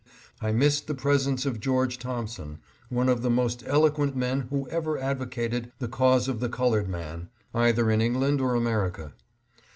I missed the presence of George Thompson, one of the most eloquent men who ever advocated the cause of the colored man, either in England or America.